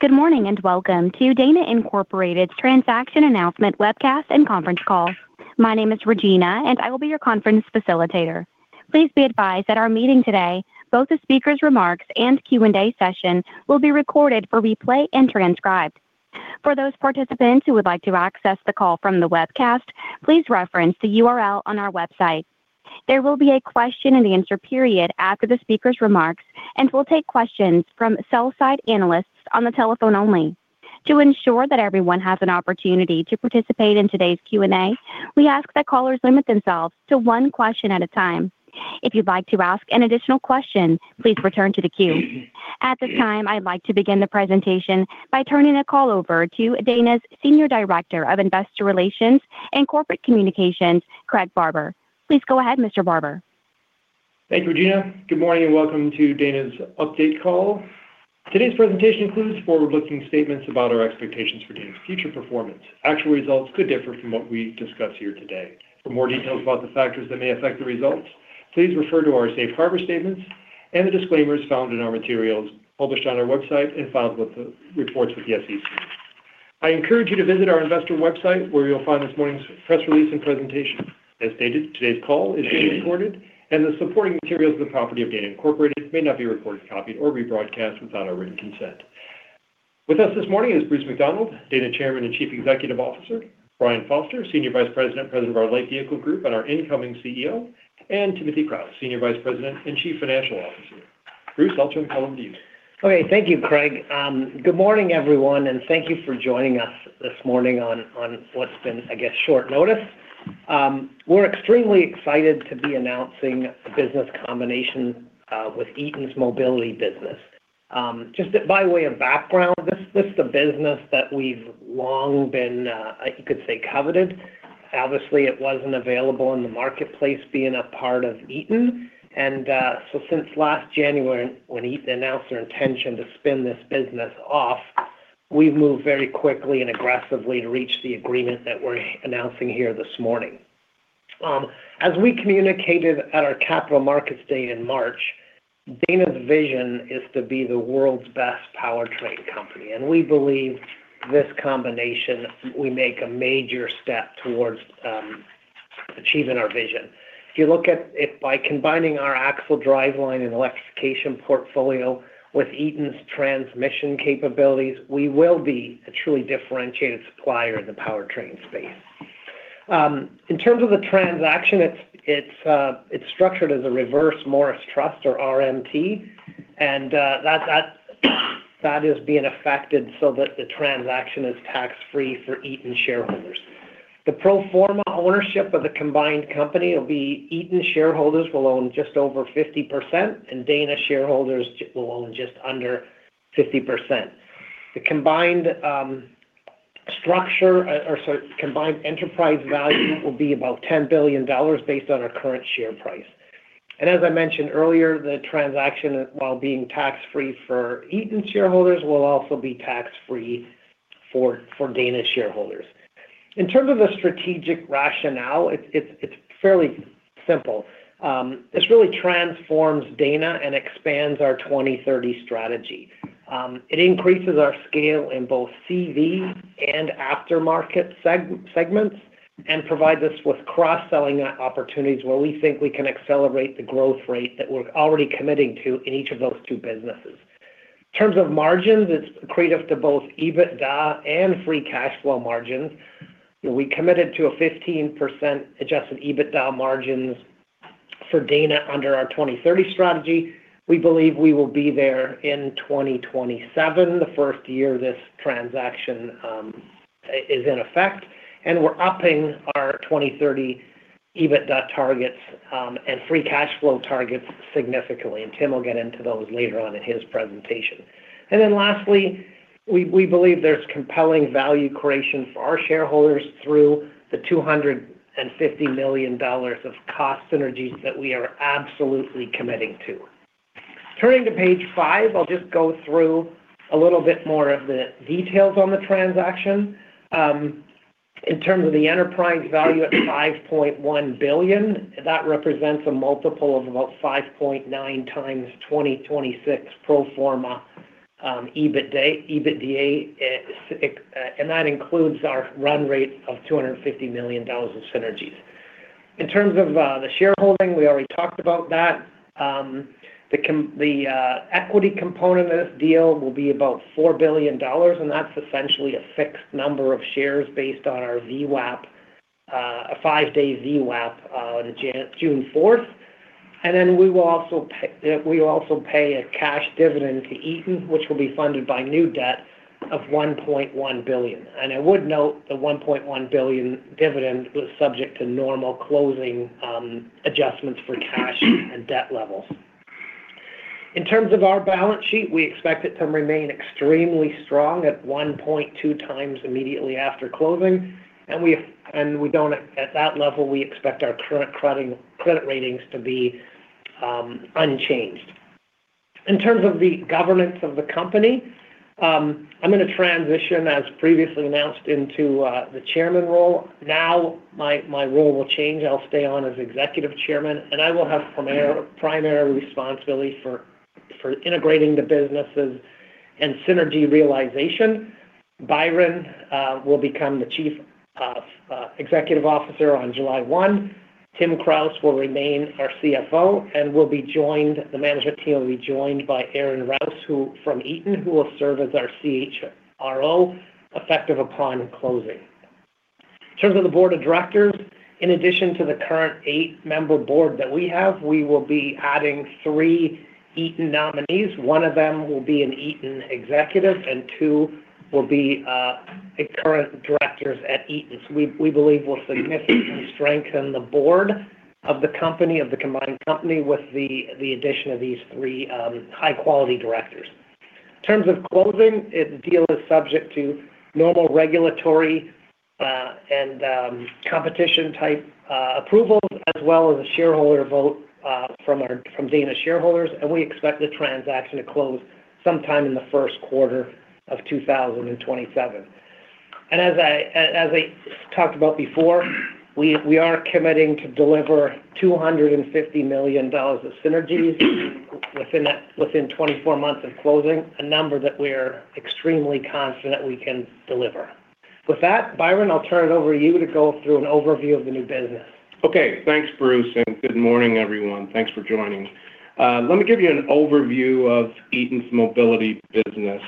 Good morning, welcome to Dana Incorporated's transaction announcement webcast and conference call. My name is Regina, I will be your conference facilitator. Please be advised that our meeting today, both the speakers' remarks and Q&A session, will be recorded for replay and transcribed. For those participants who would like to access the call from the webcast, please reference the URL on our website. There will be a question and answer period after the speakers' remarks, we'll take questions from sell-side analysts on the telephone only. To ensure that everyone has an opportunity to participate in today's Q&A, we ask that callers limit themselves to one question at a time. If you'd like to ask an additional question, please return to the queue. At this time, I'd like to begin the presentation by turning the call over to Dana's Senior Director of Investor Relations and Corporate Communications, Craig Barber. Please go ahead, Mr. Barber. Thank you, Regina. Good morning, welcome to Dana's update call. Today's presentation includes forward-looking statements about our expectations for Dana's future performance. Actual results could differ from what we discuss here today. For more details about the factors that may affect the results, please refer to our safe harbor statements and the disclaimers found in our materials published on our website and filed with the reports with the SEC. I encourage you to visit our investor website, where you'll find this morning's press release and presentation. As stated, today's call is being recorded, the supporting materials are the property of Dana Incorporated. It may not be recorded, copied, or rebroadcast without our written consent. With us this morning is Bruce McDonald, Dana Chairman and Chief Executive Officer; Byron Foster, Senior Vice President of our Light Vehicle Group and our incoming CEO; and Timothy Kraus, Senior Vice President and Chief Financial Officer. Bruce, I'll turn the call over to you. Thank you, Craig. Good morning, everyone, and thank you for joining us this morning on what's been, I guess, short notice. We're extremely excited to be announcing the business combination with Eaton's mobility business. Just by way of background, this is a business that we've long been, you could say, coveted. Obviously, it wasn't available in the marketplace being a part of Eaton. Since last January, when Eaton announced their intention to spin this business off, we've moved very quickly and aggressively to reach the agreement that we're announcing here this morning. As we communicated at our capital markets day in March, Dana's vision is to be the world's best powertrain company. We believe this combination, we make a major step towards achieving our vision. If you look at it by combining our axle driveline and electrification portfolio with Eaton's transmission capabilities, we will be a truly differentiated supplier in the powertrain space. In terms of the transaction, it's structured as a Reverse Morris Trust, or RMT, that is being affected so that the transaction is tax-free for Eaton shareholders. The pro forma ownership of the combined company will be Eaton shareholders will own just over 50%, and Dana shareholders will own just under 50%. The combined enterprise value will be about $10 billion based on our current share price. As I mentioned earlier, the transaction, while being tax-free for Eaton shareholders, will also be tax-free for Dana shareholders. In terms of the strategic rationale, it's fairly simple. This really transforms Dana and expands our 2030 strategy. It increases our scale in both CV and aftermarket segments, provides us with cross-selling opportunities where we think we can accelerate the growth rate that we're already committing to in each of those two businesses. In terms of margins, it's accretive to both EBITDA and free cash flow margins. We committed to a 15% adjusted EBITDA margins for Dana under our 2030 strategy. We believe we will be there in 2027, the first year this transaction is in effect. We're upping our 2030 EBITDA targets and free cash flow targets significantly, Tim will get into those later on in his presentation. Lastly, we believe there's compelling value creation for our shareholders through the $250 million of cost synergies that we are absolutely committing to. Turning to page five, I'll just go through a little bit more of the details on the transaction. In terms of the enterprise value at $5.1 billion, that represents a multiple of about 5.9 times 2026 pro forma EBITDA, that includes our run rate of $250 million of synergies. In terms of the shareholding, we already talked about that. The equity component of this deal will be about $4 billion, that's essentially a fixed number of shares based on our five-day VWAP at June 4th. We will also pay a cash dividend to Eaton, which will be funded by new debt of $1.1 billion. I would note the $1.1 billion dividend was subject to normal closing adjustments for cash and debt levels. In terms of our balance sheet, we expect it to remain extremely strong at 1.2x immediately after closing. At that level, we expect our current credit ratings to be unchanged. In terms of the governance of the company, I'm going to transition, as previously announced, into the Chairman role. My role will change. I'll stay on as Executive Chairman, and I will have primary responsibility for integrating the businesses and synergy realization. Byron will become the Chief Executive Officer on July 1. Tim Kraus will remain our CFO, and the management team will be joined by Aaron Rouse from Eaton, who will serve as our CHRO effective upon closing. In terms of the board of directors, in addition to the current eight-member board that we have, we will be adding three Eaton nominees. One of them will be an Eaton executive and two will be current directors at Eaton. We believe we'll significantly strengthen the board of the combined company with the addition of these three high-quality directors. In terms of closing, the deal is subject to normal regulatory and competition-type approvals, as well as a shareholder vote from Dana shareholders, and we expect the transaction to close sometime in the first quarter of 2027. As I talked about before, we are committing to deliver $250 million of synergies within 24 months of closing, a number that we're extremely confident we can deliver. With that, Byron, I'll turn it over to you to go through an overview of the new business. Okay. Thanks, Bruce, and good morning, everyone. Thanks for joining. Let me give you an overview of Eaton's Mobility Business.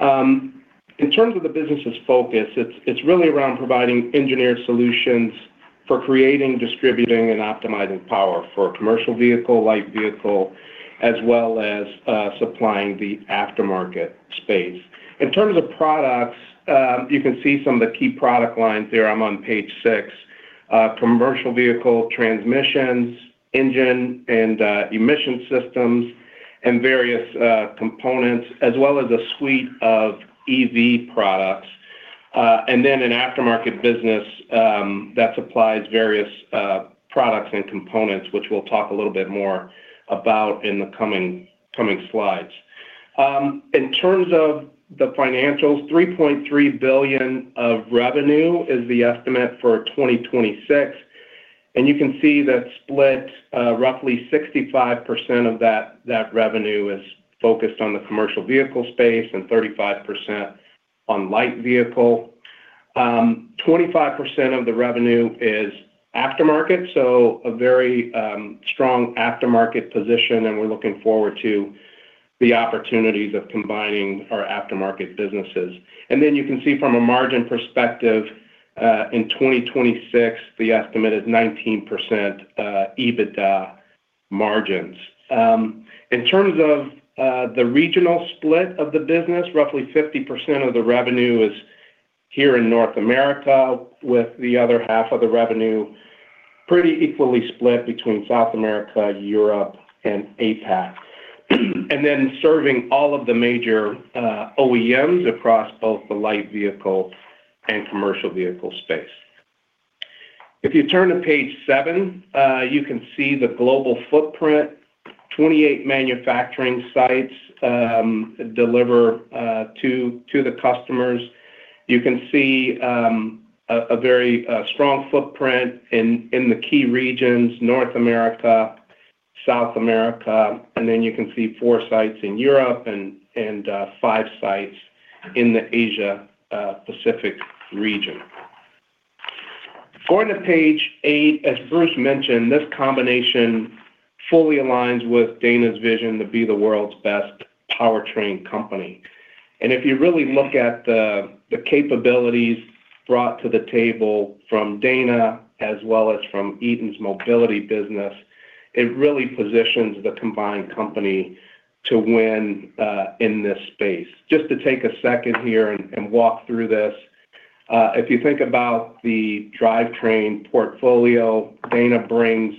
In terms of the business's focus, it's really around providing engineered solutions for creating, distributing, and optimizing power for commercial vehicle, light vehicle, as well as supplying the aftermarket space. In terms of products, you can see some of the key product lines there, I'm on page six. Commercial vehicle transmissions, engine and emission systems, and various components, as well as a suite of EV products. Then an aftermarket business that supplies various products and components, which we'll talk a little bit more about in the coming slides. In terms of the financials, $3.3 billion of revenue is the estimate for 2026. You can see that split, roughly 65% of that revenue is focused on the commercial vehicle space and 35% on light vehicle. 25% of the revenue is aftermarket, so a very strong aftermarket position, and we're looking forward to the opportunities of combining our aftermarket businesses. Then you can see from a margin perspective, in 2026, the estimate is 19% EBITDA margins. In terms of the regional split of the business, roughly 50% of the revenue is here in North America, with the other half of the revenue pretty equally split between South America, Europe, and APAC. Then serving all of the major OEMs across both the light vehicle and commercial vehicle space. If you turn to page seven, you can see the global footprint. 28 manufacturing sites deliver to the customers. You can see a very strong footprint in the key regions, North America, South America, then you can see four sites in Europe and five sites in the Asia Pacific region. Going to page eight, as Bruce mentioned, this combination fully aligns with Dana's vision to be the world's best powertrain company. If you really look at the capabilities brought to the table from Dana as well as from Eaton's Mobility business, it really positions the combined company to win in this space. Just to take a second here and walk through this. If you think about the drivetrain portfolio, Dana brings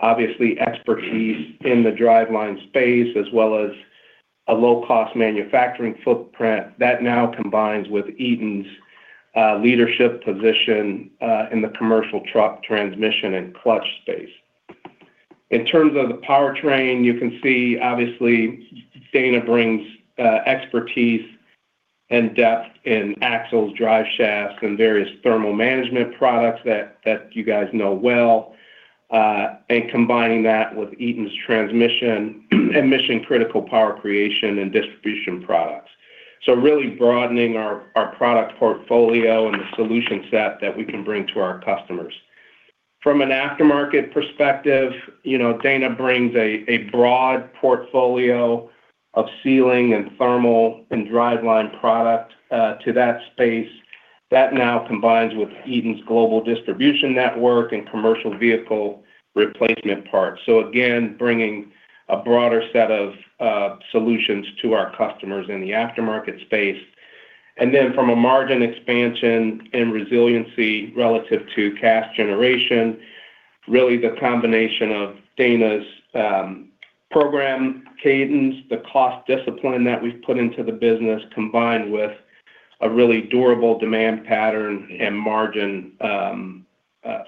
obviously expertise in the driveline space as well as a low-cost manufacturing footprint that now combines with Eaton's leadership position in the commercial truck transmission and clutch space. In terms of the powertrain, you can see, obviously, Dana brings expertise and depth in axles, drive shafts, and various thermal management products that you guys know well, combining that with Eaton's transmission and mission-critical power creation and distribution products. Really broadening our product portfolio and the solution set that we can bring to our customers. From an aftermarket perspective, Dana brings a broad portfolio of sealing and thermal and driveline product to that space. That now combines with Eaton's global distribution network and commercial vehicle replacement parts. Again, bringing a broader set of solutions to our customers in the aftermarket space. From a margin expansion and resiliency relative to cash generation, really the combination of Dana's program cadence, the cost discipline that we've put into the business, combined with a really durable demand pattern and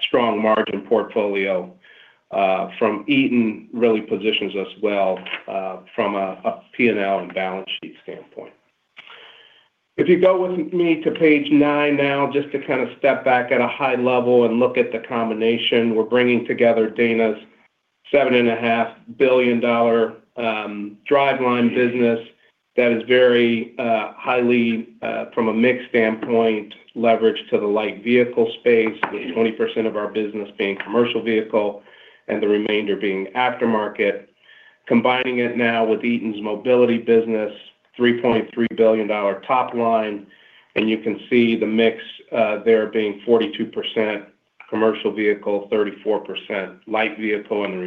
strong margin portfolio from Eaton really positions us well from a P&L and balance sheet standpoint. If you go with me to page nine now, just to step back at a high level and look at the combination. We're bringing together Dana's seven and a half billion dollar driveline business that is very highly, from a mix standpoint, leveraged to the light vehicle space, with 20% of our business being commercial vehicle and the remainder being aftermarket. Combining it now with Eaton's Mobility business, $3.3 billion top line, and you can see the mix there being 42% commercial vehicle, 34% light vehicle, and the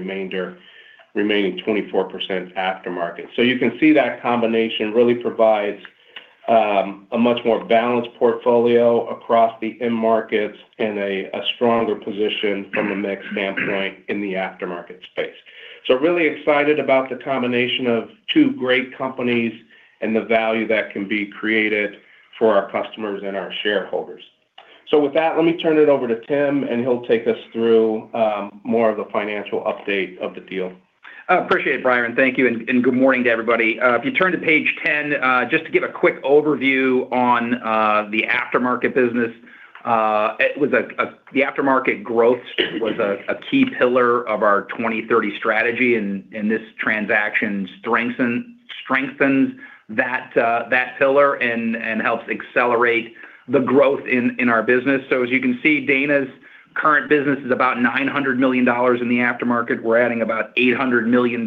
remaining 24% aftermarket. You can see that combination really provides a much more balanced portfolio across the end markets and a stronger position from the mix standpoint in the aftermarket space. Really excited about the combination of two great companies and the value that can be created for our customers and our shareholders. With that, let me turn it over to Tim, he'll take us through more of the financial update of the deal. Appreciate it, Byron. Thank you, good morning to everybody. If you turn to page 10, just to give a quick overview on the aftermarket business. The aftermarket growth was a key pillar of our 2030 strategy, this transaction strengthens that pillar and helps accelerate the growth in our business. As you can see, Dana's current business is about $900 million in the aftermarket. We're adding about $800 million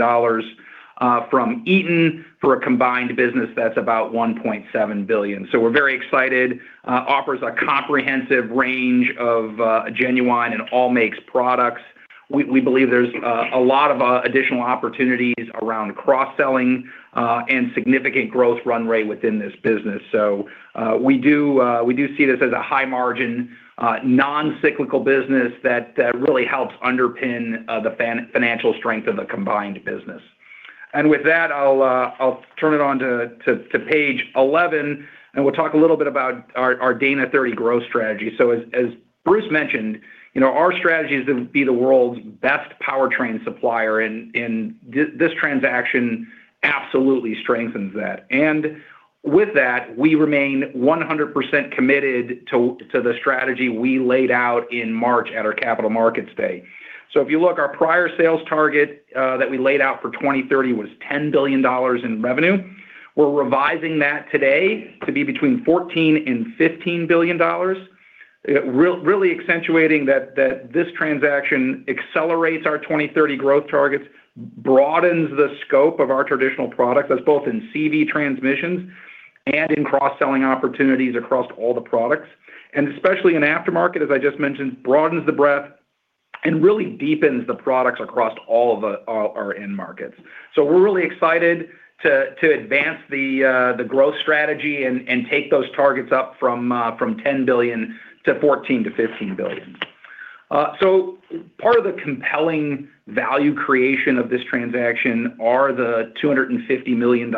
from Eaton for a combined business that's about $1.7 billion. We're very excited. Offers a comprehensive range of genuine and all makes products. We believe there's a lot of additional opportunities around cross-selling and significant growth run rate within this business. We do see this as a high-margin, non-cyclical business that really helps underpin the financial strength of the combined business. With that, I'll turn it on to page 11. We'll talk a little bit about our Dana 2030 growth strategy. As Bruce mentioned, our strategy is to be the world's best powertrain supplier this transaction absolutely strengthens that. With that, we remain 100% committed to the strategy we laid out in March at our capital markets day. If you look, our prior sales target that we laid out for 2030 was $10 billion in revenue. We're revising that today to be between $14 billion and $15 billion. Really accentuating that this transaction accelerates our 2030 growth targets, broadens the scope of our traditional products. That's both in CV transmissions and in cross-selling opportunities across all the products. Especially in aftermarket, as I just mentioned, broadens the breadth and really deepens the products across all of our end markets. We're really excited to advance the growth strategy and take those targets up from $10 billion to $14 billion to $15 billion. Part of the compelling value creation of this transaction are the $250 million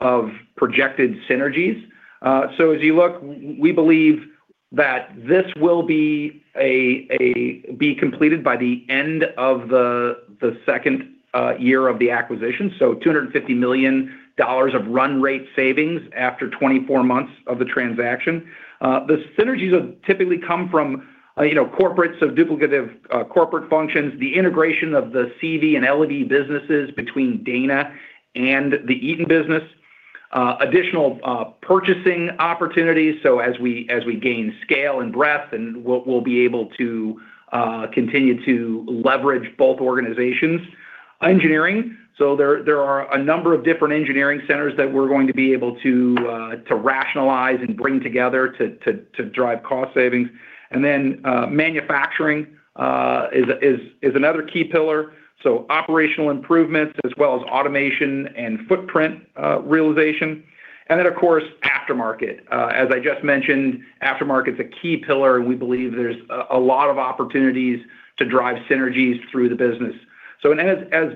of projected synergies. As you look, we believe that this will be completed by the end of the second year of the acquisition. $250 million of run rate savings after 24 months of the transaction. The synergies typically come from corporate, duplicative corporate functions, the integration of the CV and LEV businesses between Dana and the Eaton business. Additional purchasing opportunities. As we gain scale and breadth, we'll be able to continue to leverage both organizations. Engineering. There are a number of different engineering centers that we're going to be able to rationalize and bring together to drive cost savings. Then manufacturing is another key pillar. Operational improvements as well as automation and footprint realization. Then, of course, aftermarket. As I just mentioned, aftermarket is a key pillar. We believe there's a lot of opportunities to drive synergies through the business. As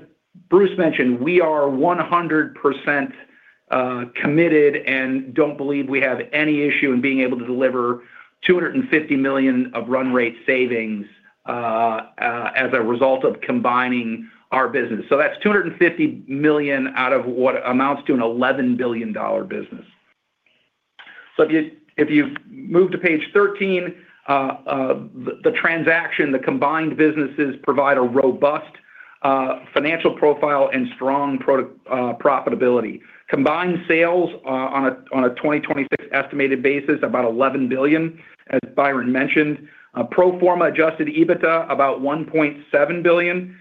Bruce mentioned, we are 100% committed. Don't believe we have any issue in being able to deliver $250 million of run rate savings as a result of combining our business. That's $250 million out of what amounts to an $11 billion business. If you move to page 13, the transaction, the combined businesses provide a robust financial profile and strong profitability. Combined sales on a 2026 estimated basis, about $11 billion, as Byron mentioned. Pro forma adjusted EBITDA, about $1.7 billion,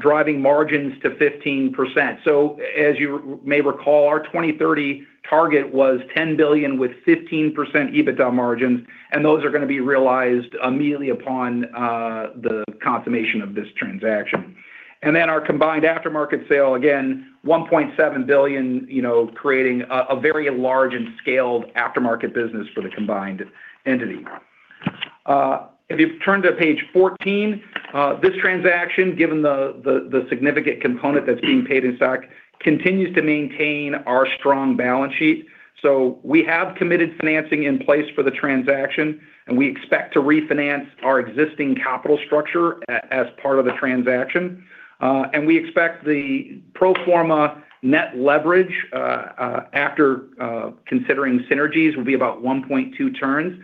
driving margins to 15%. As you may recall, our 2030 target was $10 billion with 15% EBITDA margins. Those are going to be realized immediately upon the consummation of this transaction. Then our combined aftermarket sale, again, $1.7 billion, creating a very large and scaled aftermarket business for the combined entity. If you turn to page 14, this transaction, given the significant component that's being paid in stock, continues to maintain our strong balance sheet. We have committed financing in place for the transaction. We expect to refinance our existing capital structure as part of the transaction. We expect the pro forma net leverage, after considering synergies, will be about 1.2 turns.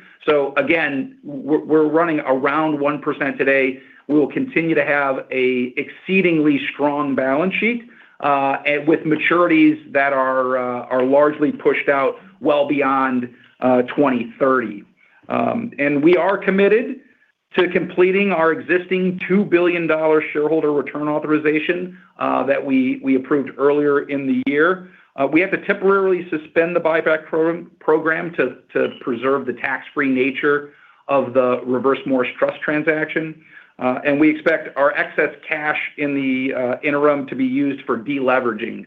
Again, we're running around 1% today. We will continue to have an exceedingly strong balance sheet, with maturities that are largely pushed out well beyond 2030. We are committed to completing our existing $2 billion shareholder return authorization that we approved earlier in the year. We have to temporarily suspend the buyback program to preserve the tax-free nature of the Reverse Morris Trust transaction. We expect our excess cash in the interim to be used for de-leveraging.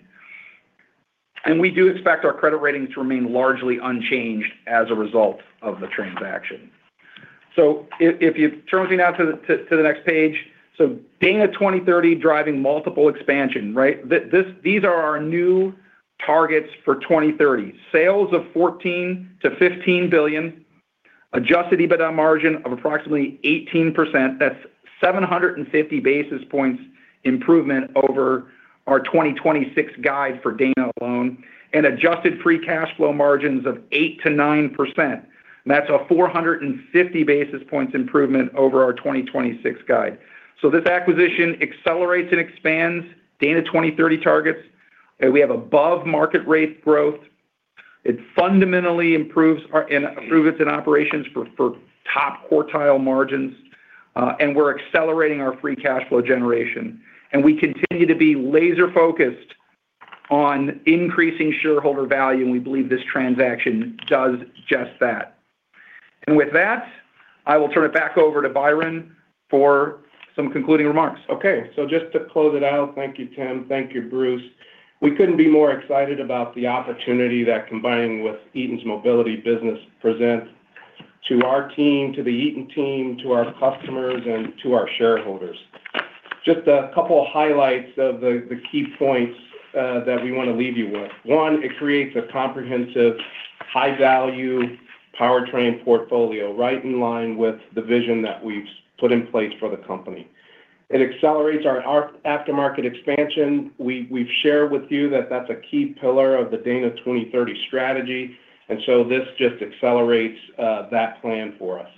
We do expect our credit ratings to remain largely unchanged as a result of the transaction. If you turn with me now to the next page. Dana 2030 driving multiple expansion, right? These are our new targets for 2030. Sales of $14 billion-$15 billion, adjusted EBITDA margin of approximately 18%. That's 750 basis points improvement over our 2026 guide for Dana alone. Adjusted free cash flow margins of 8%-9%, and that's a 450 basis points improvement over our 2026 guide. This acquisition accelerates and expands Dana 2030 targets. We have above-market rate growth. It fundamentally improves its operations for top quartile margins. We're accelerating our free cash flow generation. We continue to be laser-focused on increasing shareholder value, and we believe this transaction does just that. With that, I will turn it back over to Byron for some concluding remarks. Okay. Just to close it out, thank you, Tim. Thank you, Bruce. We couldn't be more excited about the opportunity that combining with Eaton's mobility business presents to our team, to the Eaton team, to our customers, and to our shareholders. Just a couple highlights of the key points that we want to leave you with. One, it creates a comprehensive, high-value powertrain portfolio right in line with the vision that we've put in place for the company. It accelerates our aftermarket expansion. We've shared with you that that's a key pillar of the Dana 2030 strategy. This just accelerates that plan for us.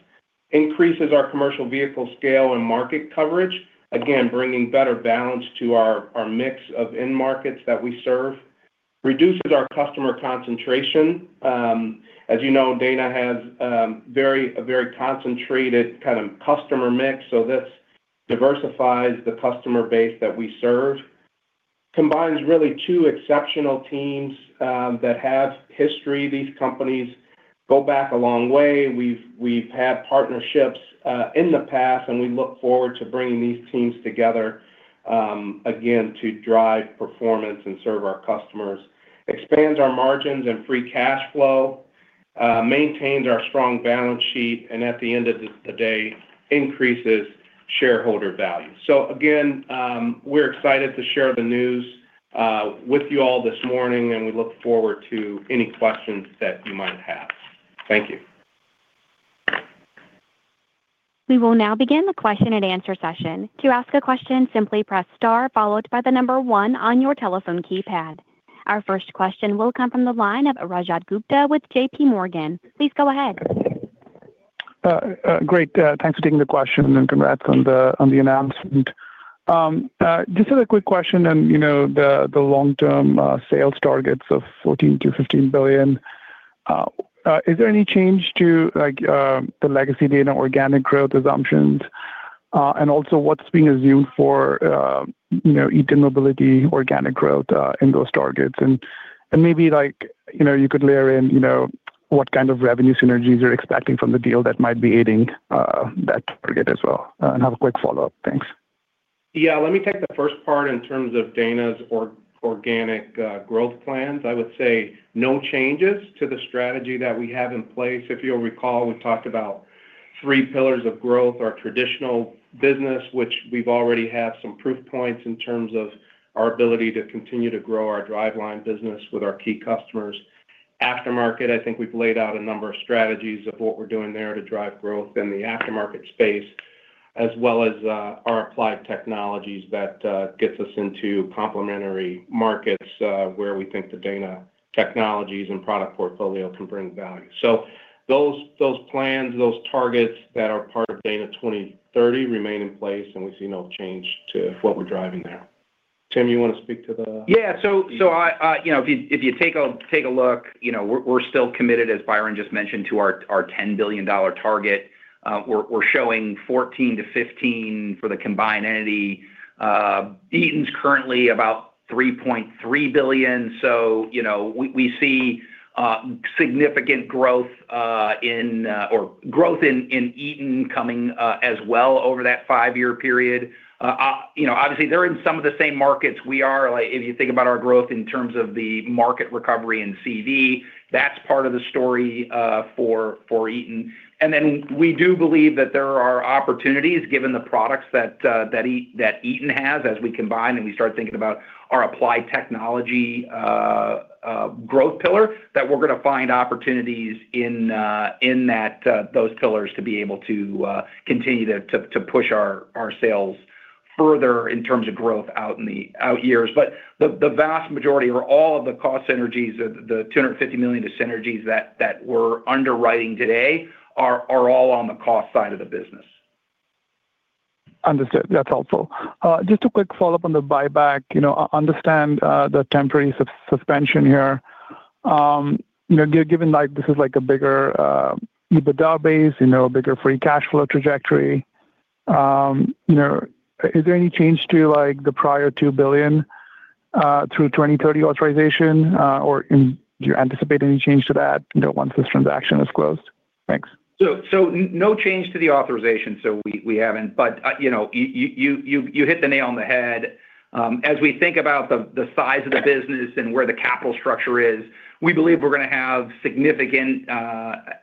Increases our commercial vehicle scale and market coverage, again, bringing better balance to our mix of end markets that we serve. Reduces our customer concentration. As you know, Dana has a very concentrated kind of customer mix. This diversifies the customer base that we serve. Combines really two exceptional teams that have history. These companies go back a long way. We've had partnerships in the past, we look forward to bringing these teams together, again, to drive performance and serve our customers. Expands our margins and free cash flow, maintains our strong balance sheet, at the end of the day, increases shareholder value. Again, we're excited to share the news with you all this morning, we look forward to any questions that you might have. Thank you. We will now begin the question and answer session. To ask a question, simply press star, followed by the number one on your telephone keypad. Our first question will come from the line of Rajat Gupta with JPMorgan. Please go ahead. Great. Thanks for taking the question and congrats on the announcement. Just as a quick question on the long-term sales targets of $14 billion-$15 billion, is there any change to the legacy Dana organic growth assumptions? Also, what's being assumed for Eaton Mobility organic growth in those targets? Maybe you could layer in what kind of revenue synergies you're expecting from the deal that might be aiding that target as well. I have a quick follow-up. Thanks. Let me take the first part in terms of Dana's organic growth plans. I would say no changes to the strategy that we have in place. If you'll recall, we talked about three pillars of growth, our traditional business, which we've already had some proof points in terms of our ability to continue to grow our driveline business with our key customers. Aftermarket, I think we've laid out a number of strategies of what we're doing there to drive growth in the aftermarket space, as well as our Applied Technologies that gets us into complementary markets, where we think the Dana technologies and product portfolio can bring value. Those plans, those targets that are part of Dana 2030 remain in place, we see no change to what we're driving there. Tim, you want to speak to the. If you take a look, we're still committed, as Byron just mentioned, to our $10 billion target. We're showing $14 billion-$15 billion for the combined entity. Eaton's currently about $3.3 billion. We see significant growth in Eaton coming as well over that five-year period. Obviously, they're in some of the same markets we are. If you think about our growth in terms of the market recovery in CV, that's part of the story for Eaton. We do believe that there are opportunities, given the products that Eaton has as we combine and we start thinking about our Applied Technologies growth pillar, that we're going to find opportunities in those pillars to be able to continue to push our sales further in terms of growth out years. The vast majority or all of the cost synergies, the $250 million of synergies that we're underwriting today are all on the cost side of the business. Understood. That's helpful. Just a quick follow-up on the buyback. I understand the temporary suspension here. Given this is a bigger EBITDA base, a bigger free cash flow trajectory, is there any change to the prior $2 billion through 2030 authorization, or do you anticipate any change to that once this transaction is closed? Thanks. No change to the authorization. We haven't, but you hit the nail on the head. As we think about the size of the business and where the capital structure is, we believe we're going to have significant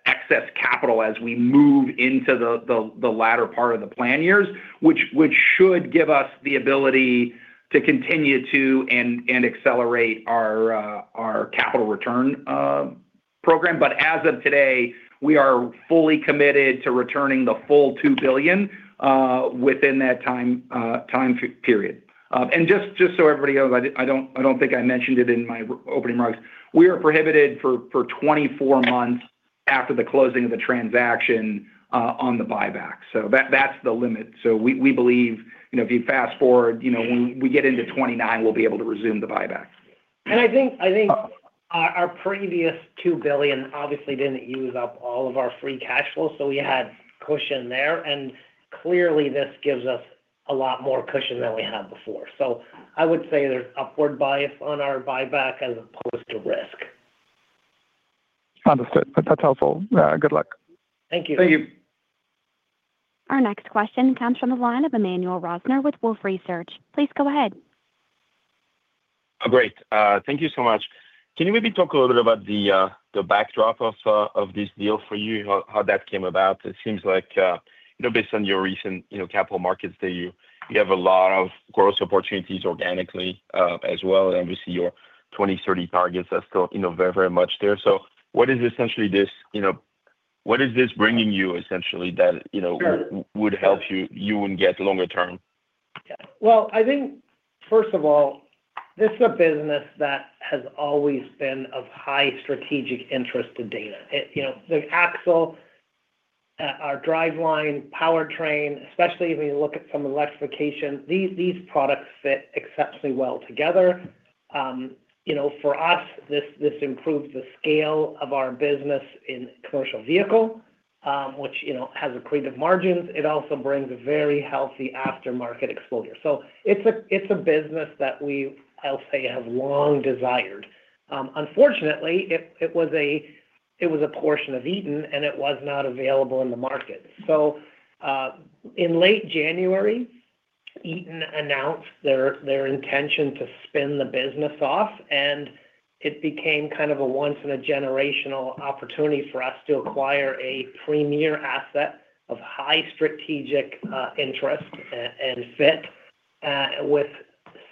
excess capital as we move into the latter part of the plan years, which should give us the ability to continue to and accelerate our capital return program. As of today, we are fully committed to returning the full $2 billion within that time period. Just so everybody knows, I don't think I mentioned it in my opening remarks, we are prohibited for 24 months after the closing of the transaction on the buyback. That's the limit. We believe, if you fast-forward, when we get into 2029, we'll be able to resume the buyback. I think our previous $2 billion obviously didn't use up all of our free cash flow, so we had cushion there, and clearly this gives us a lot more cushion than we had before. I would say there's upward bias on our buyback as opposed to risk. Understood. That's helpful. Good luck. Thank you. Thank you. Our next question comes from the line of Emmanuel Rosner with Wolfe Research. Please go ahead. Great. Thank you so much. Can you maybe talk a little bit about the backdrop of this deal for you, how that came about? It seems like, based on your recent capital markets day, you have a lot of growth opportunities organically as well. Obviously, your 2030 targets are still very much there. What is this bringing you essentially that- Sure would help you in get longer term? Well, I think, first of all, this is a business that has always been of high strategic interest to Dana. The axle, our driveline, powertrain, especially when you look at some electrification, these products fit exceptionally well together. For us, this improves the scale of our business in commercial vehicle, which has accretive margins. It also brings very healthy aftermarket exposure. It's a business that we, I'll say, have long desired. Unfortunately, it was a portion of Eaton, and it was not available in the market. In late January, Eaton announced their intention to spin the business off, and it became kind of a once in a generational opportunity for us to acquire a premier asset of high strategic interest and fit with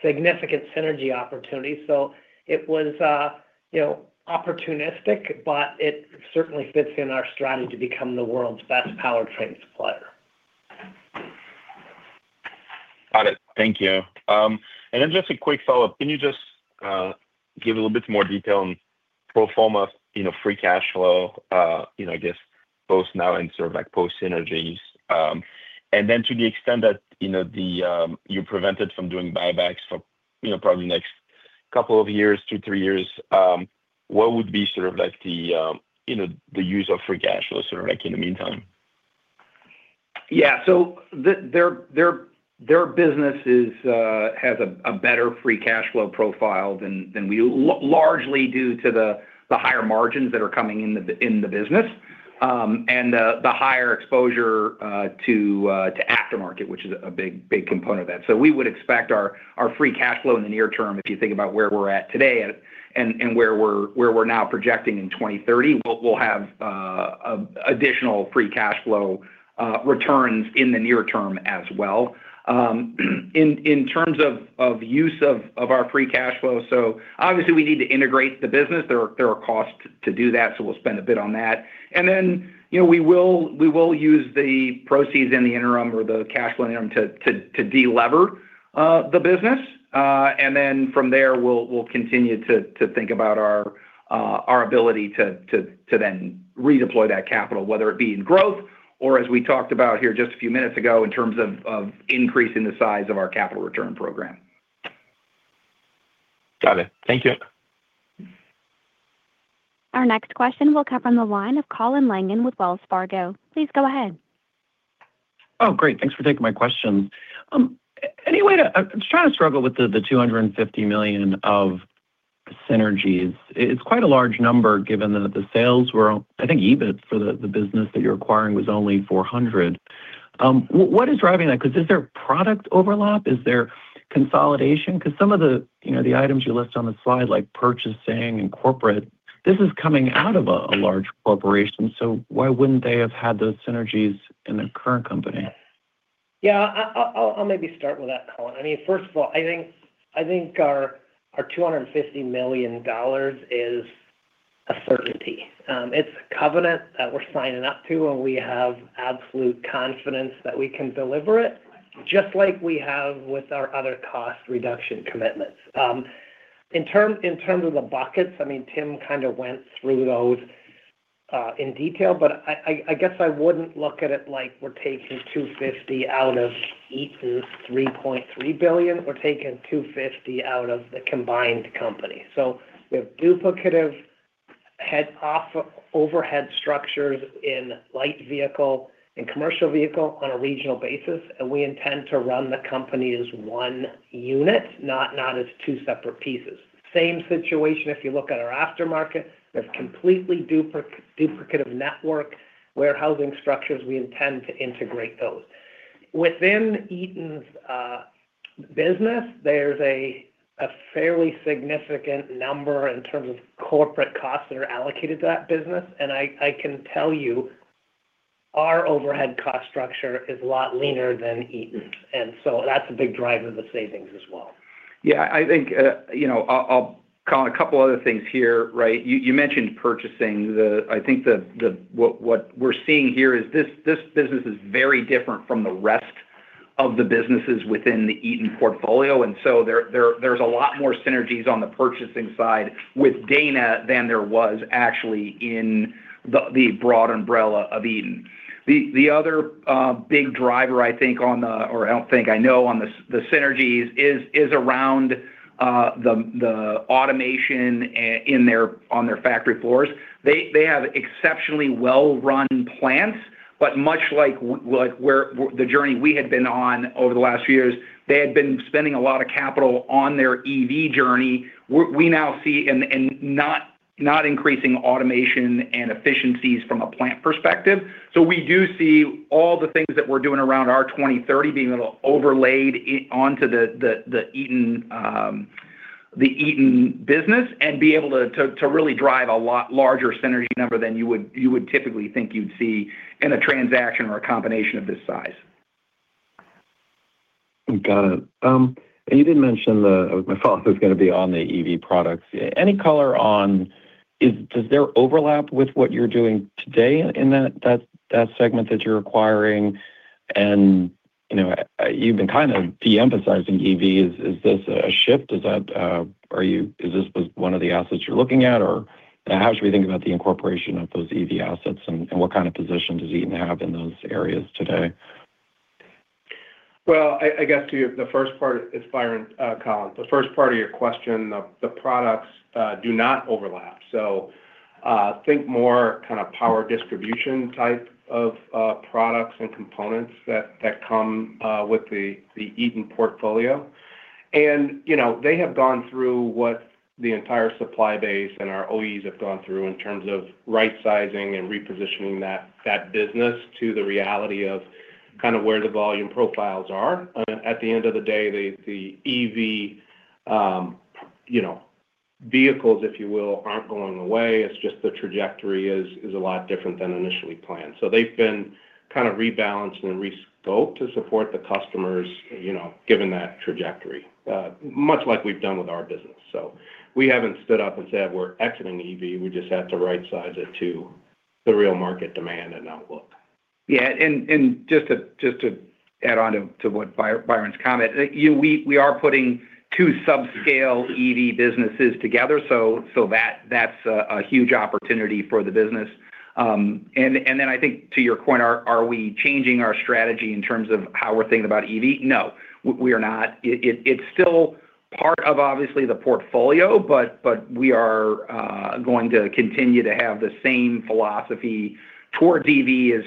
significant synergy opportunities. It was opportunistic, but it certainly fits in our strategy to become the world's best powertrain supplier. Got it. Thank you. Just a quick follow-up. Can you just give a little bit more detail on pro forma free cash flow, I guess both now and sort of post synergies. To the extent that you're prevented from doing buybacks for probably next couple of years to three years, what would be the use of free cash flow sort of in the meantime? Their business has a better free cash flow profile than we, largely due to the higher margins that are coming in the business, and the higher exposure to aftermarket, which is a big component of that. We would expect our free cash flow in the near term, if you think about where we're at today and where we're now projecting in 2030, we'll have additional free cash flow returns in the near term as well. In terms of use of our free cash flow, so obviously we need to integrate the business. There are costs to do that, so we'll spend a bit on that. We will use the proceeds in the interim or the cash flow interim to de-lever the business. From there, we'll continue to think about our ability to then redeploy that capital, whether it be in growth or as we talked about here just a few minutes ago, in terms of increasing the size of our capital return program. Got it. Thank you. Our next question will come from the line of Colin Langan with Wells Fargo. Please go ahead. Great. Thanks for taking my question. I'm trying to struggle with the $250 million of synergies. It's quite a large number given that the sales were, I think, EBIT for the business that you're acquiring was only $400. What is driving that? Is there product overlap? Is there consolidation? Some of the items you list on the slide, like purchasing and corporate, this is coming out of a large corporation, so why wouldn't they have had those synergies in the current company? Yeah. I'll maybe start with that, Colin. First of all, I think our $250 million is a certainty. It's a covenant that we're signing up to, and we have absolute confidence that we can deliver it, just like we have with our other cost reduction commitments. In terms of the buckets, Tim kind of went through those in detail, but I guess I wouldn't look at it like we're taking $250 million out of Eaton's $3.3 billion. We're taking $250 million out of the combined company. We have duplicative overhead structures in light vehicle and commercial vehicle on a regional basis, and we intend to run the company as one unit, not as two separate pieces. Same situation if you look at our aftermarket. There's completely duplicative network warehousing structures. We intend to integrate those. Within Eaton's business, there's a fairly significant number in terms of corporate costs that are allocated to that business, and I can tell you our overhead cost structure is a lot leaner than Eaton's, that's a big driver of the savings as well. Yeah, I'll call a couple other things here. You mentioned purchasing. I think what we're seeing here is this business is very different from the rest of the businesses within the Eaton portfolio, there's a lot more synergies on the purchasing side with Dana than there was actually in the broad umbrella of Eaton. The other big driver I know on the synergies is around the automation on their factory floors. They have exceptionally well-run plants, but much like the journey we had been on over the last few years, they had been spending a lot of capital on their EV journey, not increasing automation and efficiencies from a plant perspective. We do see all the things that we're doing around our Dana 2030 being able to overlay onto the Eaton business and be able to really drive a lot larger synergy number than you would typically think you'd see in a transaction or a combination of this size. Got it. You did mention, my fault, it was going to be on the EV products. Any color on does there overlap with what you're doing today in that segment that you're acquiring? You've been kind of de-emphasizing EVs. Is this a shift? Is this one of the assets you're looking at, or how should we think about the incorporation of those EV assets, and what kind of position does Eaton have in those areas today? Well, I guess to the first part, Colin, the first part of your question, the products do not overlap. Think more power distribution type of products and components that come with the Eaton portfolio. They have gone through what the entire supply base and our OEs have gone through in terms of right-sizing and repositioning that business to the reality of where the volume profiles are. At the end of the day, the EV vehicles, if you will, aren't going away. It's just the trajectory is a lot different than initially planned. They've been rebalanced and re-scoped to support the customers given that trajectory. Much like we've done with our business. We haven't stood up and said we're exiting EV. We just have to right-size it to the real market demand and outlook. Yeah, just to add on to Byron's comment, we are putting two subscale EV businesses together, that's a huge opportunity for the business. I think to your point, are we changing our strategy in terms of how we're thinking about EV? No, we are not. It's still part of, obviously, the portfolio, but we are going to continue to have the same philosophy towards EV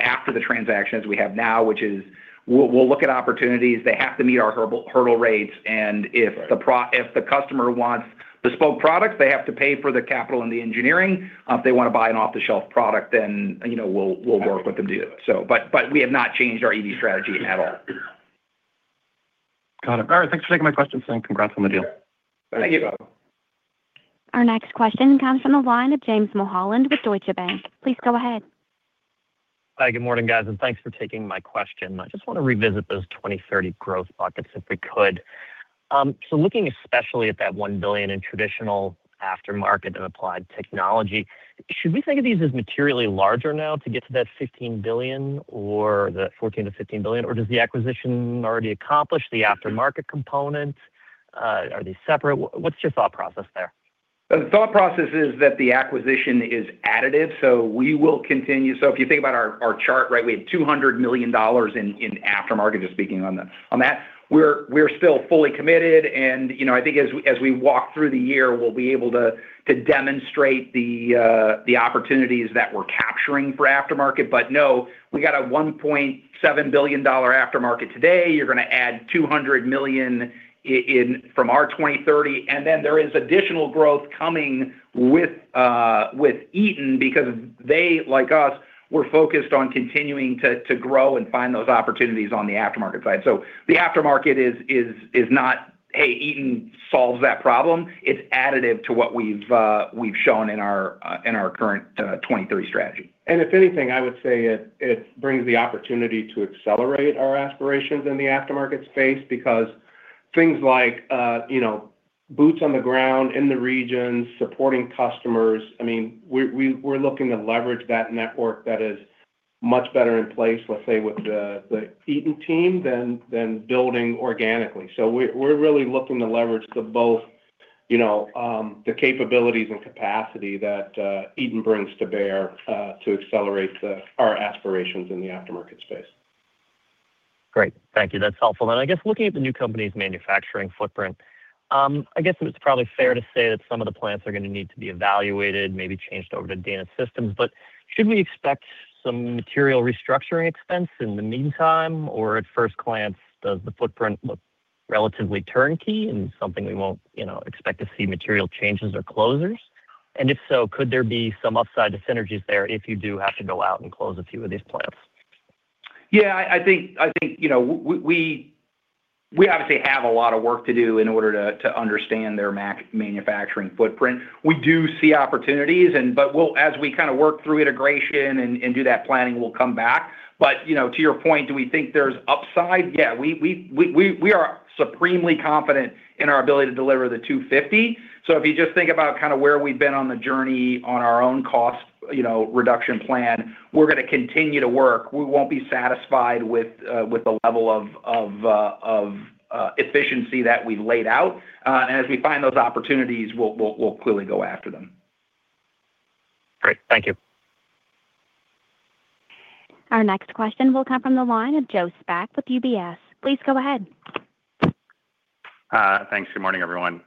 after the transaction as we have now, which is we'll look at opportunities. They have to meet our hurdle rates, and if the customer wants bespoke products, they have to pay for the capital and the engineering. If they want to buy an off-the-shelf product, then we'll work with them too. We have not changed our EV strategy at all. Got it. All right. Thanks for taking my questions and congrats on the deal. Thank you. Thank you. Our next question comes from the line of James Mulholland with Deutsche Bank. Please go ahead. Hi, good morning, guys, and thanks for taking my question. I just want to revisit those 2030 growth buckets, if we could. Looking especially at that $1 billion in traditional aftermarket and Applied Technologies, should we think of these as materially larger now to get to that $15 billion or the $14 billion-$15 billion, or does the acquisition already accomplish the aftermarket component? Are these separate? What's your thought process there? The thought process is that the acquisition is additive, we will continue. If you think about our chart, we had $200 million in aftermarket, just speaking on that. We're still fully committed, and I think as we walk through the year, we'll be able to demonstrate the opportunities that we're capturing for aftermarket. No, we got a $1.7 billion aftermarket today. You're going to add $200 million in from our 2030, and then there is additional growth coming with Eaton because they, like us, were focused on continuing to grow and find those opportunities on the aftermarket side. The aftermarket is not, hey, Eaton solves that problem. It's additive to what we've shown in our current 2023 strategy. If anything, I would say it brings the opportunity to accelerate our aspirations in the aftermarket space because things like boots on the ground in the region, supporting customers. We're looking to leverage that network that is much better in place, let's say, with the Eaton team than building organically. We're really looking to leverage the both, the capabilities and capacity that Eaton brings to bear, to accelerate our aspirations in the aftermarket space. Great. Thank you. That's helpful. I guess looking at the new company's manufacturing footprint, I guess it's probably fair to say that some of the plants are going to need to be evaluated, maybe changed over to Dana's systems. Should we expect some material restructuring expense in the meantime? Or at first glance, does the footprint look relatively turnkey and something we won't expect to see material changes or closures? If so, could there be some upside to synergies there if you do have to go out and close a few of these plants? I think we obviously have a lot of work to do in order to understand their manufacturing footprint. We do see opportunities, but as we kind of work through integration and do that planning, we'll come back. To your point, do we think there's upside? We are supremely confident in our ability to deliver the 250. If you just think about where we've been on the journey on our own cost reduction plan, we're going to continue to work. We won't be satisfied with the level of efficiency that we've laid out. As we find those opportunities, we'll clearly go after them. Great. Thank you. Our next question will come from the line of Joseph Spak with UBS. Please go ahead. Thanks. Good morning, everyone.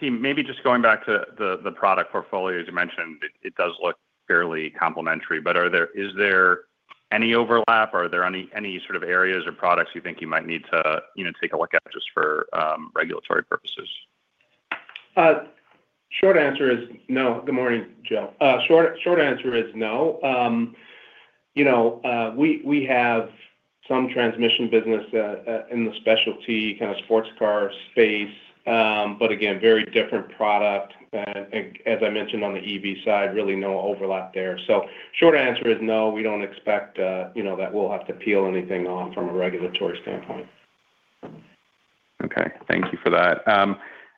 Tim, maybe just going back to the product portfolio, as you mentioned, it does look fairly complementary, is there any overlap? Are there any sort of areas or products you think you might need to take a look at just for regulatory purposes? Short answer is no. Good morning, Joe. Short answer is no. We have some transmission business in the specialty kind of sports car space, but again, very different product. As I mentioned on the EV side, really no overlap there. Short answer is no, we don't expect that we'll have to peel anything off from a regulatory standpoint. Okay. Thank you for that.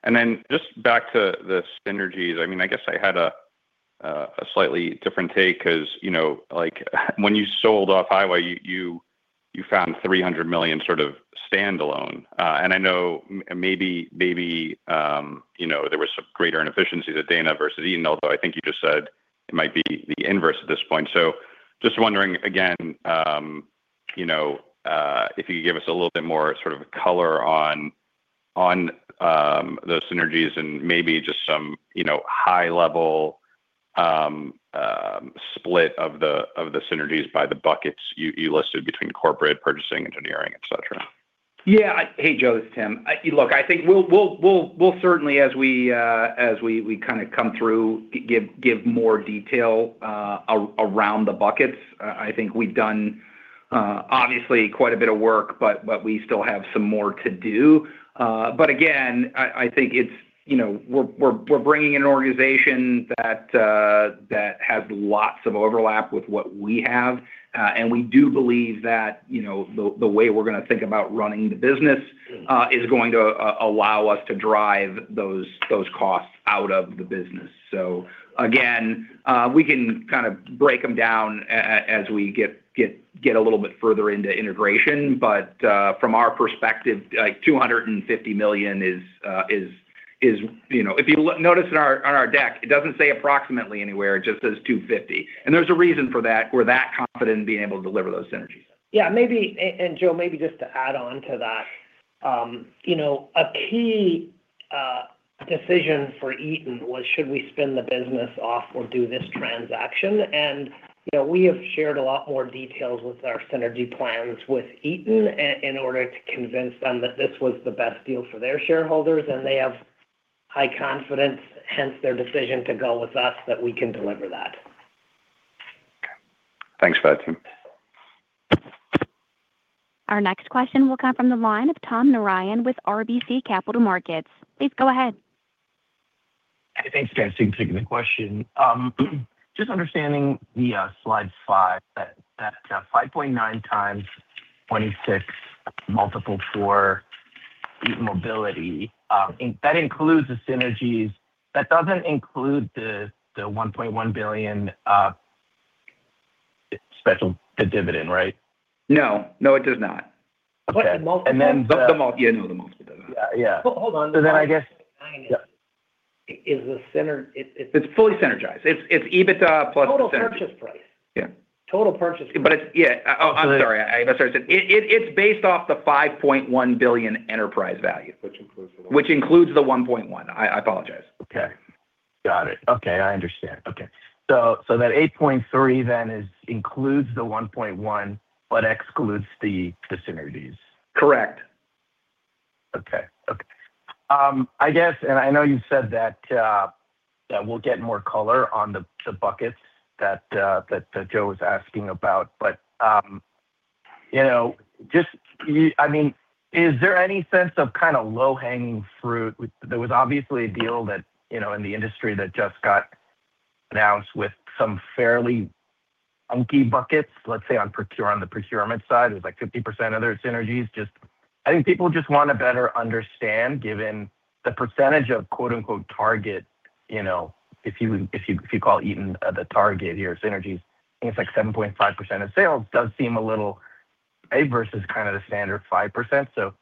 Then just back to the synergies. I guess I had a slightly different take, because when you sold Off-Highway, you found $300 million sort of standalone. I know maybe there was some greater inefficiency to Dana versus Eaton, although I think you just said it might be the inverse at this point. Just wondering again, if you could give us a little bit more sort of color on those synergies and maybe just some high-level split of the synergies by the buckets you listed between corporate purchasing, engineering, et cetera. Yeah. Hey, Joe, it's Tim. I think we'll certainly as we kind of come through, give more detail around the buckets. I think we've done obviously quite a bit of work, but we still have some more to do. Again, I think we're bringing an organization that has lots of overlap with what we have. We do believe that the way we're going to think about running the business is going to allow us to drive those costs out of the business. Again, we can kind of break them down as we get a little bit further into integration. From our perspective, $250 million is If you notice on our deck, it doesn't say approximately anywhere, it just says $250. There's a reason for that. We're that confident in being able to deliver those synergies. Yeah. Joe, maybe just to add on to that. A key decision for Eaton was should we spin the business off or do this transaction? We have shared a lot more details with our synergy plans with Eaton in order to convince them that this was the best deal for their shareholders, and they have high confidence, hence their decision to go with us, that we can deliver that. Okay. Thanks for that, Tim. Our next question will come from the line of Tom Narayan with RBC Capital Markets. Please go ahead. Hey, thanks. Thanks for taking the question. Just understanding the slide five, that 5.9x 26 multiple for Eaton Mobility. That includes the synergies. That doesn't include the $1.1 billion special dividend, right? No. No, it does not. Okay. Yeah, no, the multiple doesn't. Yeah. Hold on. So then I guess- Is the It's fully synergized. It's EBITDA plus synergy. Total purchase price. Yeah. Total It's Yeah. Oh, I'm sorry. I misheard. It's based off the $5.1 billion enterprise value. Which includes the $1.1. Which includes the $1.1. I apologize. Okay. Got it. Okay. I understand. Okay. That $8.3 then includes the $1.1 but excludes the synergies. Correct. Okay. I guess, I know you said that we'll get more color on the buckets that Joe was asking about, is there any sense of kind of low-hanging fruit? There was obviously a deal that in the industry that just got announced with some fairly funky buckets, let's say on the procurement side, it was like 50% of their synergies. I think people just want to better understand, given the percentage of "target," if you call Eaton the target here, synergies, I think it's like 7.5% of sales does seem a little, A, versus the standard 5%.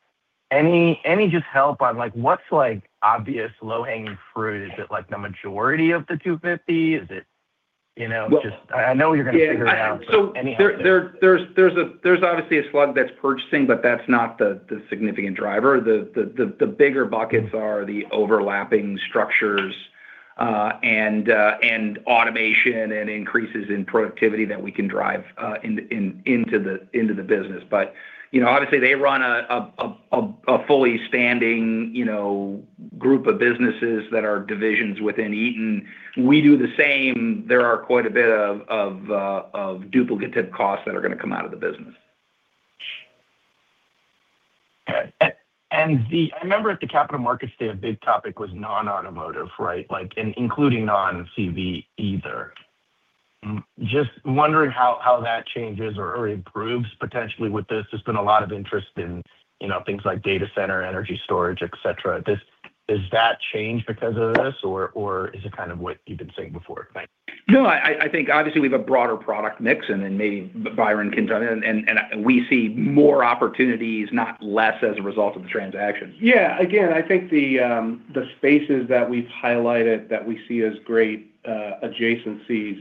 Any just help on what's obvious low-hanging fruit? Is it like the majority of the 250? I know you're going to figure it out. There's obviously a slug that's purchasing, that's not the significant driver. The bigger buckets are the overlapping structures and automation and increases in productivity that we can drive into the business. Obviously they run a fully standing group of businesses that are divisions within Eaton. We do the same. There are quite a bit of duplicative costs that are going to come out of the business. Okay. I remember at the Capital Markets Day, a big topic was non-automotive, right? Including non-CV, either. Just wondering how that changes or improves potentially with this. There's been a lot of interest in things like data center, energy storage, et cetera. Does that change because of this, or is it kind of what you've been saying before? Thanks. No, I think obviously we have a broader product mix, maybe Byron Foster can jump in, we see more opportunities, not less as a result of the transaction. Again, I think the spaces that we've highlighted that we see as great adjacencies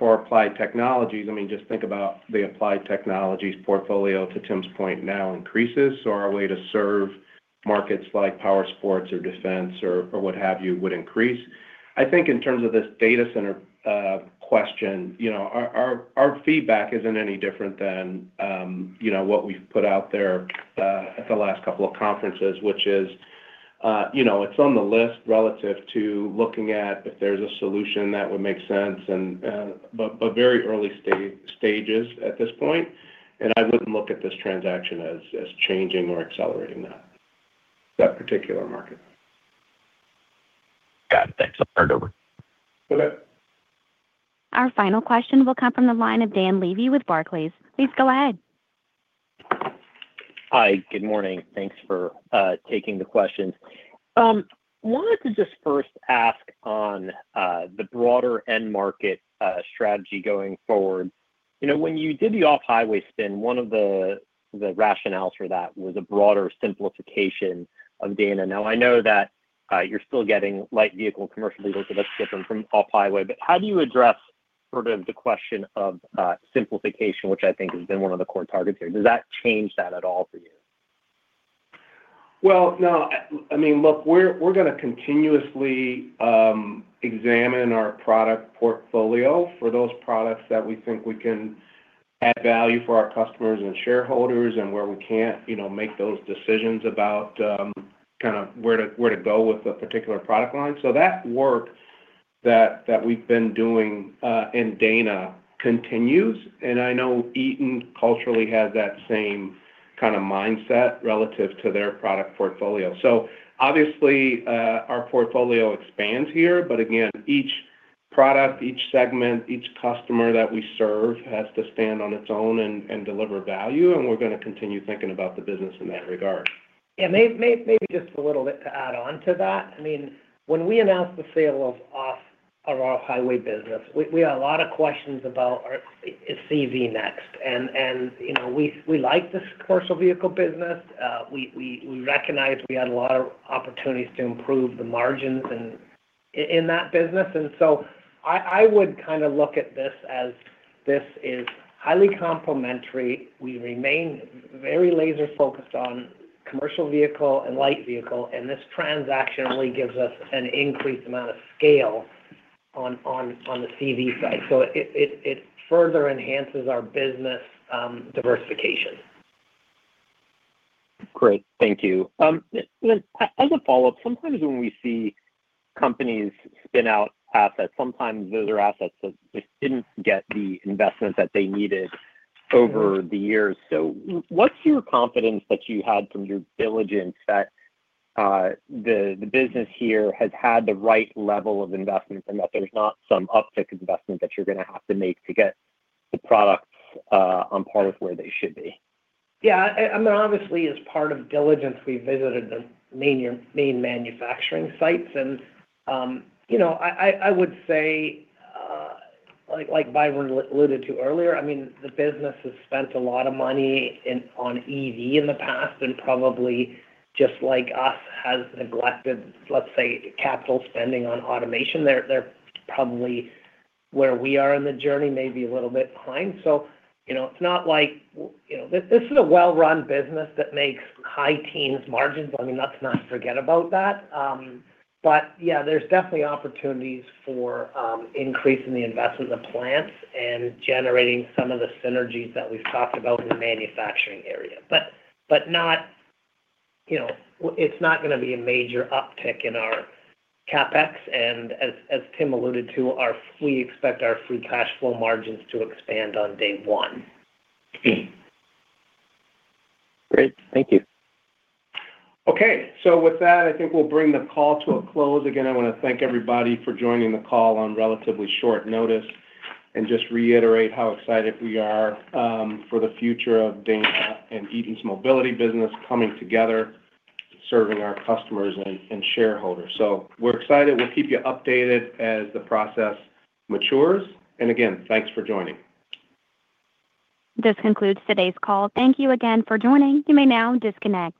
for Applied Technologies, just think about the Applied Technologies portfolio to Tim's point now increases. Our way to serve markets like power sports or defense or what have you would increase. I think in terms of this data center question, our feedback isn't any different than what we've put out there at the last couple of conferences, which is it's on the list relative to looking at if there's a solution that would make sense, but very early stages at this point. I wouldn't look at this transaction as changing or accelerating that particular market. Got it. Thanks. I'll turn it over. Okay. Our final question will come from the line of Dan Levy with Barclays. Please go ahead. Hi, good morning. Thanks for taking the questions. Wanted to just first ask on the broader end market strategy going forward. When you did the Off-Highway spin, one of the rationales for that was a broader simplification of Dana. Now, I know that you're still getting light vehicle and commercial vehicles that are different from Off-Highway, how do you address sort of the question of simplification, which I think has been one of the core targets here? Does that change that at all for you? Well, no. Look, we're going to continuously examine our product portfolio for those products that we think we can add value for our customers and shareholders and where we can't make those decisions about where to go with a particular product line. That work that we've been doing in Dana continues, and I know Eaton culturally has that same kind of mindset relative to their product portfolio. Obviously, our portfolio expands here, but again, each product, each segment, each customer that we serve has to stand on its own and deliver value, and we're going to continue thinking about the business in that regard. Yeah, maybe just a little bit to add on to that. When we announced the sale of our Off-Highway business, we had a lot of questions about, is CV next? We like the commercial vehicle business. We recognized we had a lot of opportunities to improve the margins in that business. I would look at this as this is highly complementary. We remain very laser-focused on commercial vehicle and Light Vehicle, and this transaction really gives us an increased amount of scale on the CV side. It further enhances our business diversification. Great. Thank you. As a follow-up, sometimes when we see companies spin out assets, sometimes those are assets that just didn't get the investment that they needed over the years. What's your confidence that you had from your diligence that the business here has had the right level of investment and that there's not some uptick investment that you're going to have to make to get the products on par with where they should be? Yeah. Obviously, as part of diligence, we visited the main manufacturing sites, and I would say, like Byron alluded to earlier, the business has spent a lot of money on EV in the past, and probably just like us, has neglected, let's say, capital spending on automation. They're probably where we are in the journey, maybe a little bit behind. This is a well-run business that makes high teens margins. Let's not forget about that. Yeah, there's definitely opportunities for increasing the investment in the plants and generating some of the synergies that we've talked about in the manufacturing area. It's not going to be a major uptick in our CapEx, and as Tim alluded to, we expect our free cash flow margins to expand on day one. Great. Thank you. With that, I think we'll bring the call to a close. Again, I want to thank everybody for joining the call on relatively short notice and just reiterate how excited we are for the future of Dana and Eaton's Mobility business coming together, serving our customers and shareholders. We're excited. We'll keep you updated as the process matures. Again, thanks for joining. This concludes today's call. Thank you again for joining. You may now disconnect.